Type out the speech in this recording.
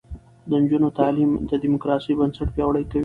د نجونو تعلیم د دیموکراسۍ بنسټ پیاوړی کوي.